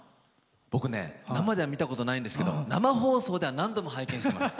僕、生では見たことないんですけど生放送では何度も拝見しています。